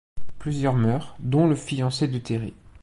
Plusieurs meurent dont le fiancé de Terry.